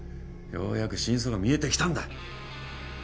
ようやく真相が見えてきたんだ